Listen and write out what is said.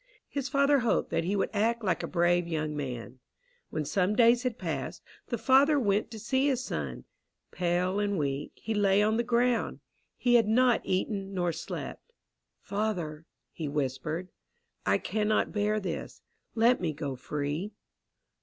His father hoped that he would act like a brave young man. When some days had passed, the father went to see his son. Pale and weak, he lay on the ground. He had not eaten nor slept. "Father," he whispered, "I cannot bear this. Let me go free."